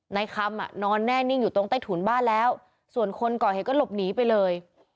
ในคำนอนแน่นิ่งอยู่ตรงใต้ถุนบ้านแล้วส่วนคนก่อเหตุก็หลบหนีไปเลย